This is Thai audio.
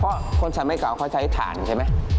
เพราะคนสำเร็จกลางเขาใช้ฐานใช่ไหม